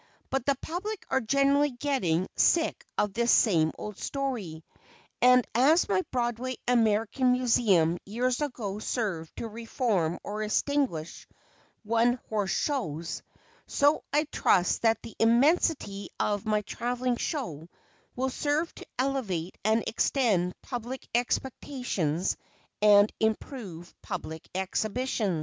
But the public are generally getting sick of this same old story, and as my Broadway American Museum years ago served to reform or extinguish "one horse shows," so I trust that the immensity of my travelling show will serve to elevate and extend public expectations and improve public exhibitions.